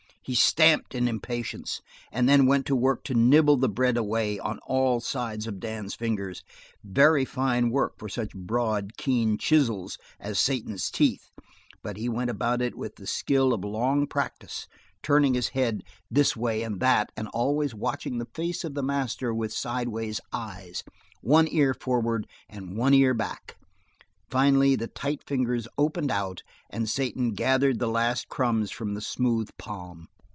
He stamped in impatience, and then went to work to nibble the bread away on all sides of Dan's fingers, very fine work for such broad, keen chisels as Satan's teeth, but he went about it with the skill of long practice, turning his head this way and that and always watching the face of the master with sidewise eyes, one ear forward and one ear back. Finally the tight fingers opened out, and Satan gathered the last crumbs from the smooth palm.